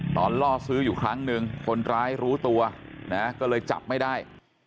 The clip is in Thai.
ล่อซื้ออยู่ครั้งหนึ่งคนร้ายรู้ตัวนะก็เลยจับไม่ได้